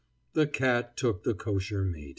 The cat took the kosher meat.